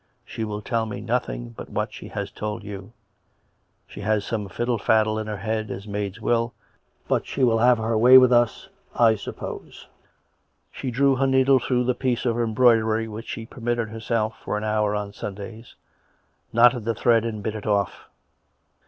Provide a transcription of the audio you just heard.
She will tell me nothing but what she has told you. She has some fiddle faddle in her head, as maids will, but she will have her way with us, I suppose." She drew her needle through the piece of embroidery which she permitted to herself for an hour on Sundays, knotted the thread and bit it off.